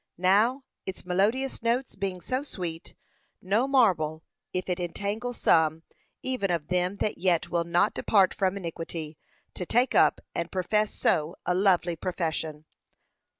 Now, its melodious notes being so sweet, no marvel if it entangle some even of them that yet will not depart from iniquity to take up and profess so lovely a profession.